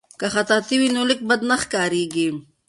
که خطاطي وي نو لیک نه بد ښکاریږي.